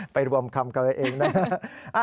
ไปรวมคำตอบเองได้